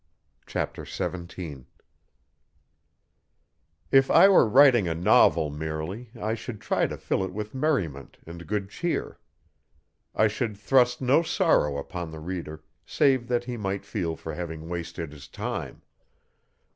Chapter 17 If I were writing a novel merely I should try to fill it with merriment and good cheer. I should thrust no sorrow upon the reader save that he might feel for having wasted his time.